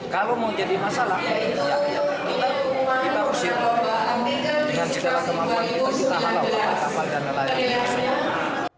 kalau mau jadi masalah ya kita usir dengan cita cita kemampuan kita kita halau kapal dan nelayan